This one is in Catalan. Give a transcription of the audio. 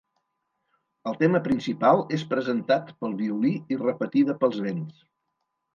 El tema principal és presentat pel violí i repetida pels vents.